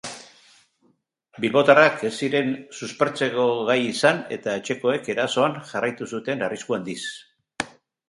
Bilbotarrak ez ziren suspertzeko gai izan eta etxekoek erasoan jarraitu zuten arrisku handiz.